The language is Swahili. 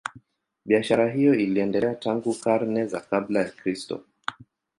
Biashara hiyo iliendelea tangu karne za kabla ya Kristo.